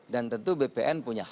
dan tentu bpn punya hak